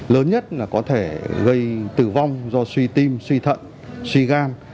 lớn nhất là có thể gây tử vong do suy tim suy thận suy gan